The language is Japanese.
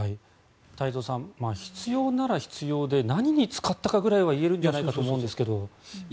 太蔵さん必要なら必要で何に使ったかぐらいは言えるんじゃないかと思うんですが。